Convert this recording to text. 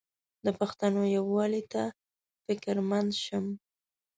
د پښتنو یووالي ته فکرمند شم.